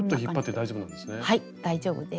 大丈夫です。